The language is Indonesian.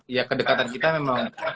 ya kedekatan kita memang